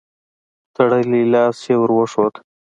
تړلی لاس يې ور وښود.